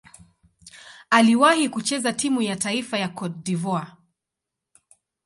Aliwahi kucheza timu ya taifa ya Cote d'Ivoire.